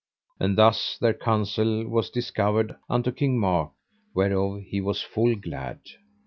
And thus their counsel was discovered unto King Mark, whereof he was full glad.